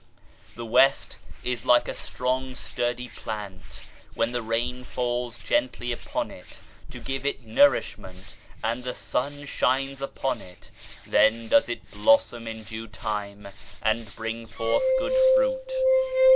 The West is like a strong sturdy plant ; when the rain falls gently upon it to give it nourishment and the sun shines upon it, then does it blossom in due time and bring forth good fruit.